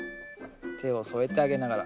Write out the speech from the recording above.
手を添えてあげながら。